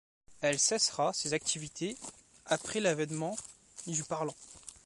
Elle cessera ses activités après l'avènement du parlant.